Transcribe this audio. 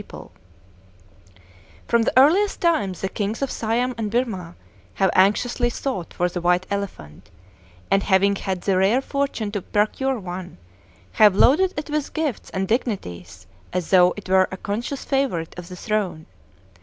[Illustration: A WAR ELEPHANT ] From the earliest times the kings of Siam and Birmah have anxiously sought for the white elephant, and having had the rare fortune to procure one, have loaded it with gifts and dignities, as though it were a conscious favorite of the throne.